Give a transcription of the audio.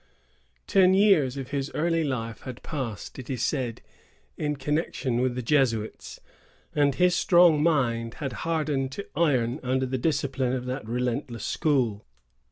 Ten years of his early life had passed, it is said, in connection with the Jesuits, and his strong mind had hardened to iron under the discipline of that relentless school.